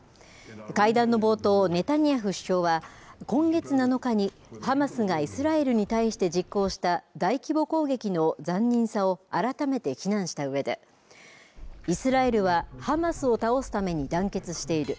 会談の冒頭、ネタニヤフ首相は、今月７日に、ハマスがイスラエルに対して実行した大規模攻撃の残忍さを改めて非難したうえで、イスラエルはハマスを倒すために団結している。